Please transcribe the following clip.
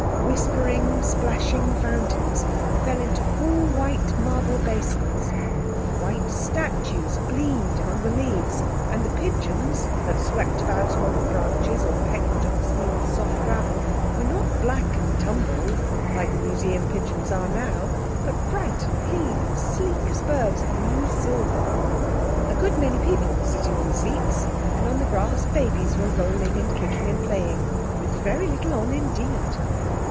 Whispering, splashing fountains fell into full white marble basins, white statues gleamed among the leaves, and the pigeons that swept about among the branches or pecked on the smooth, soft gravel were not black and tumbled like the Museum pigeons are now, but bright and clean and sleek as birds of new silver. A good many people were sitting on the seats, and on the grass babies were rolling and kicking and playing—with very little on indeed.